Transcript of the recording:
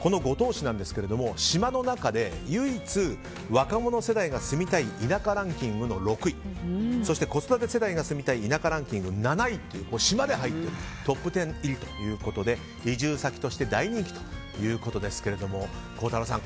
この五島市なんですが島の中で唯一若者世代が住みたい田舎ランキングそして子育て世代が住みたい田舎ランキング７位と島でトップ１０入りということで移住先として大人気ということですが孝太郎さん